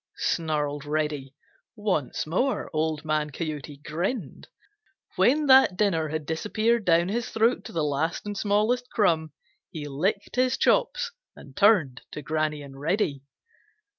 snarled Reddy. Once more Old Man Coyote grinned. When that dinner had disappeared down his throat to the last and smallest crumb, he licked his chops and turned to Granny and Reddy.